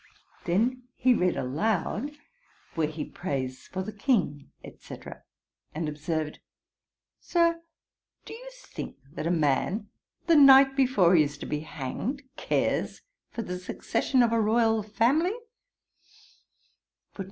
He then read aloud where he prays for the King, &c. and observed, 'Sir, do you think that a man the night before he is to be hanged cares for the succession of a royal family?